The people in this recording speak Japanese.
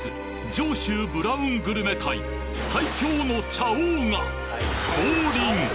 上州ブラウングルメ界最強の茶王が降臨！